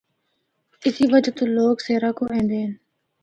اسی وجہ تو لوگ سیرا کو ایندے ہن۔